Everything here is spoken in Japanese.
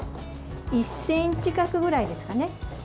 １ｃｍ角ぐらいですかね。